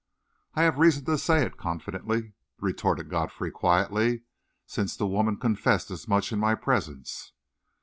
"I have reason to say it confidently," retorted Godfrey quietly, "since the woman confessed as much in my presence."